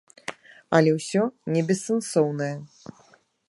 Але ўсё не бессэнсоўнае.